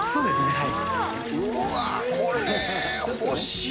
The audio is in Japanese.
はい。